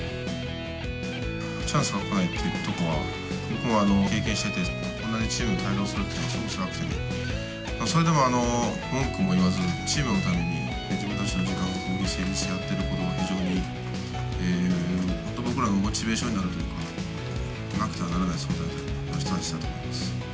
チャンスは来ないっていうのは僕も経験してて、チームに帯同するということがすごくつらくて、それでも文句も言わず、チームのために自分たちの時間を犠牲にしてやってることが本当、僕らのモチベーションになるというか、なくてはならない存在の人